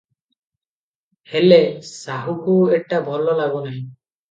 ହେଲେ; ସାହୁକୁ ଏଟା ଭଲ ଲାଗୁନାହିଁ ।